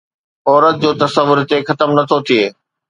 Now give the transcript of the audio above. عورت جو تصور هتي ختم نٿو ٿئي.